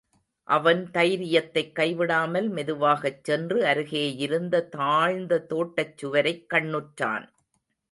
அவன் தைரியத்தைக் கைவிடாமல் மெதுவாகச் சென்று அருகேயிருந்த தாழ்ந்த தோட்டச்சுவரைக் கண்ணுற்றான்.